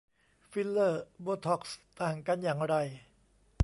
ฟิลเลอร์ โบท็อกซ์ ต่างกันอย่างไร